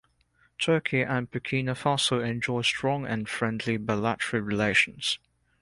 Turkey and Burkina Faso enjoy strong and friendly bilateral relations.